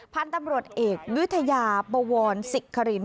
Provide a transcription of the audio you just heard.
พันธุ์ตำรวจเอกวิทยาบวรศิกคริน